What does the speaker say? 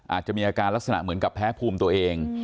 อาจจะมีอาการลักษณะเหมือนกับแพ้ภูมิตัวเอง